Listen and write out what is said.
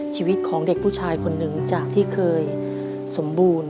ชีวิตของเด็กผู้ชายคนหนึ่งจากที่เคยสมบูรณ์